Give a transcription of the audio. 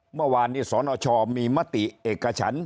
เมื่อวานนี้สนชมีมติเอกฉัน